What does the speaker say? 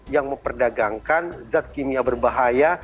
yang memperdagangkan zat kimia berbahaya